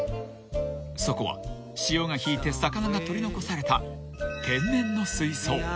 ［そこは潮が引いて魚が取り残された］